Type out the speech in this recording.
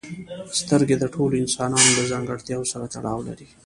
سترګې د ټولو انسانانو له ځانګړتیاوو سره تړاو لري.